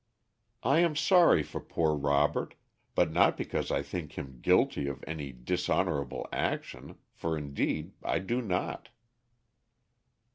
"I am sorry for poor Robert, but not because I think him guilty of any dishonorable action, for indeed I do not."